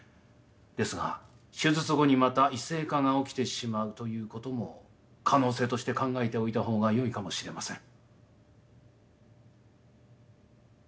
ですが手術後にまた異性化が起きてしまうということも可能性として考えておいた方がよいかもしれません。